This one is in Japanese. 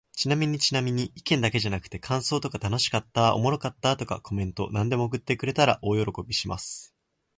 ちなみにちなみに、意見だけじゃなくて感想とか楽しかった〜おもろかった〜とか、コメントなんでも送ってくれたら大喜びします。